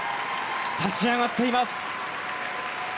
立ち上がっています。